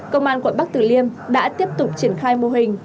công an quận bắc tử liêm đã tiếp tục triển khai mô hình